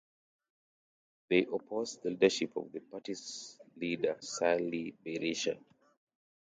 Theyopposed the leadership of the party's leader Sali Berisha.